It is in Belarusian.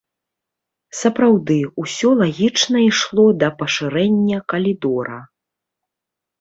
Сапраўды, усё лагічна ішло да пашырэння калідора.